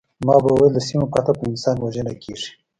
ما به ویل د سیمو فتح په انسان وژنه کیږي